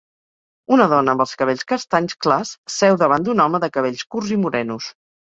Una dona amb els cabells castanys clars seu davant d'un home de cabells curts i morenos.